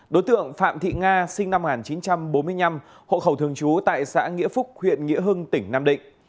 đối tượng phạm thị nga sinh năm một nghìn chín trăm bốn mươi năm hộ khẩu thường trú tại xã nghĩa phúc huyện nghĩa hưng tỉnh nam định